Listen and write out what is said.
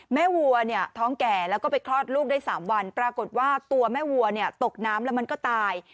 วัวเนี่ยท้องแก่แล้วก็ไปคลอดลูกได้๓วันปรากฏว่าตัวแม่วัวเนี่ยตกน้ำแล้วมันก็ตาย